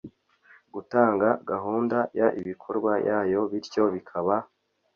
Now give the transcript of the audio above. gutanga gahunda y ibikorwa yayo bityo bikaba